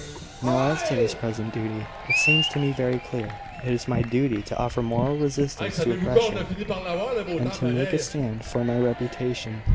Now, as to this present duty, it seems to me very clear. It is my duty to offer moral resistance to oppression, and to make a stand for my reputation.